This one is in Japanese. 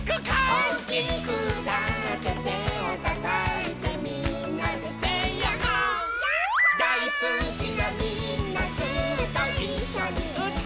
「おおきくうたっててをたたいてみんなでセイやっほー☆」やっほー☆「だいすきなみんなずっといっしょにうたおう」